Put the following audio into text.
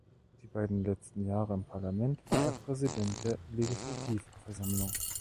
Die beiden letzten Jahre im Parlament war er Präsident der Legislativversammlung.